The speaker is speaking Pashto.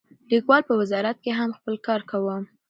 لیکوال په وزارت کې هم خپل کار کاوه.